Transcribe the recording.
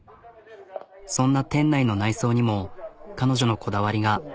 そんな店内の内装にも彼女のこだわりが。